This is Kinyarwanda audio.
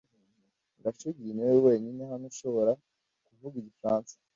Gashugi niwe wenyine hano ushobora kuvuga igifaransa